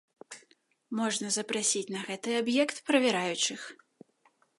Можна запрасіць на гэты аб'ект правяраючых.